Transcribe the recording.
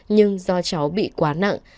nhưng do cháu bị quá nặng